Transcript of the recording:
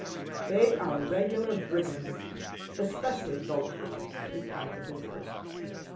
"They are regular brigands, especially Dólokhov," replied the visitor.